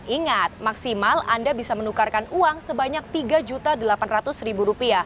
ingat maksimal anda bisa menukarkan uang sebanyak rp tiga delapan ratus